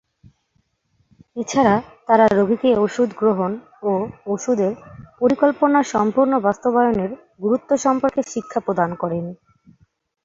এছাড়া তাঁরা রোগীকে ঔষধ গ্রহণ ও ঔষধের পরিকল্পনা সম্পূর্ণ বাস্তবায়নের গুরুত্ব সম্পর্কে শিক্ষা প্রদান করেন।